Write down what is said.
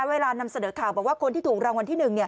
เวลานำเสนอข่าวบอกว่าคนที่ถูกรางวัลที่๑